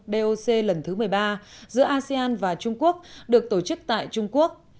doc lần thứ một mươi ba giữa asean và trung quốc được tổ chức tại trung quốc